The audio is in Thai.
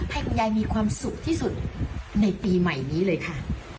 ให้คุณยายมีความสุขที่สุดในปีใหม่นี้เลยค่ะ